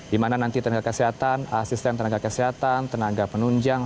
di mana nanti tenaga kesehatan asisten tenaga kesehatan tenaga penunjang